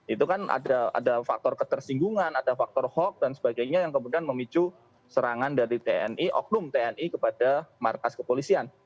itu kan ada faktor ketersinggungan ada faktor hoax dan sebagainya yang kemudian memicu serangan dari tni oknum tni kepada markas kepolisian